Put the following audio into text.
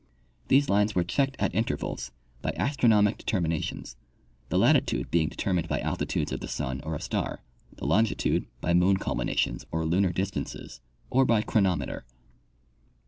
These lines were checked at intervals by astronomic determinations, the latitude being deter mined by altitudes of the sun or a star, the longitude by moon culminations or lunar distances, or by chronometer.